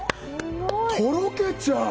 とろけちゃう。